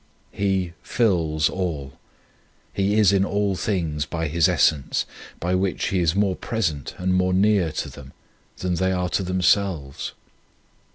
He fills all ; He is in all things by His essence, by which He is more present and more near to them than they are to them selves.